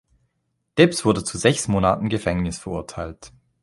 Debs wurde zu sechs Monaten Gefängnis verurteilt.